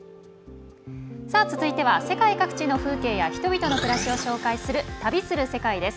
続いては世界各地の風景や人々の暮らしを紹介する「旅する世界」です。